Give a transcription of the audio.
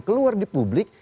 keluar di publik